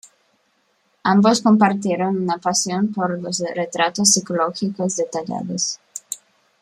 Ambos compartieron una pasión por los retratos psicológicos detallados.